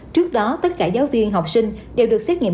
trước đó tất cả giáo viên học sinh đều được xét nghiệm